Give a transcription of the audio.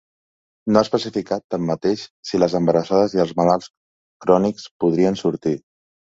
No ha especificat, tanmateix, si les embarassades i els malalts crònics podrien sortir.